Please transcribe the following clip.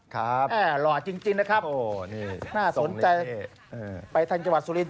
ครับหล่อจริงนะครับน่าสนใจไปทางจังหวัดสุรินท